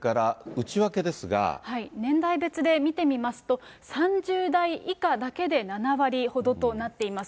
年代別で見てみますと、３０代以下だけで７割ほどとなっています。